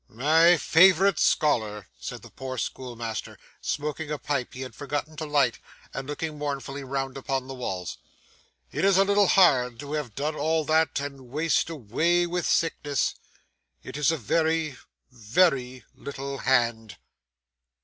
'My favourite scholar!' said the poor schoolmaster, smoking a pipe he had forgotten to light, and looking mournfully round upon the walls. 'It is a little hand to have done all that, and waste away with sickness. It is a very, very little hand!